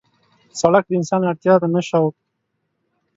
سړک د انسان اړتیا ده نه شوق.